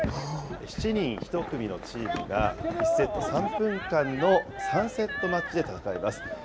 ７人１組のチームが、１セット３分間の３セットマッチで戦います。